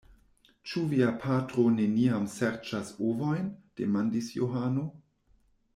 Ĉu via patro neniam serĉas ovojn? demandis Johano.